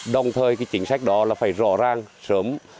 đồng thời cái chính sách đó là phải rõ ràng sớm